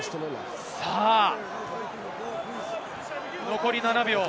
残り７秒。